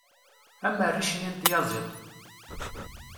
am rric-nni n tyaziḍt